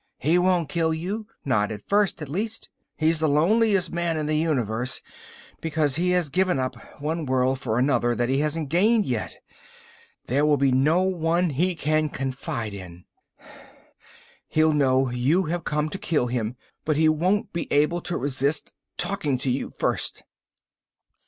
"He won't kill you. Not at first, at least. He's the loneliest man in the universe, because he has given up one world for another that he hasn't gained yet. There will be no one he can confide in. He'll know you have come to kill him, but he won't be able to resist talking to you first.